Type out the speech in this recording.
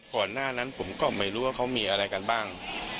ก่อนหน้านั้นผมก็ไม่รู้ว่าเขามีอะไรกันบ้าง